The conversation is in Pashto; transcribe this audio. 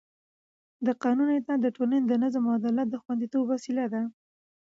د قانون اطاعت د ټولنې د نظم او عدالت د خونديتوب وسیله ده